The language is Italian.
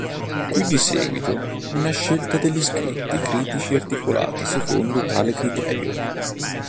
Qui di seguito, una scelta degli scritti critici articolata secondo tale criterio.